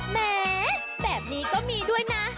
แม้แบบนี้ก็มีด้วยนะ